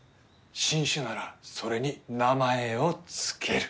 新種ならそれに名前を付ける。